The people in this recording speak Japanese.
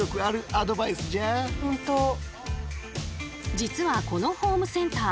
実はこのホームセンター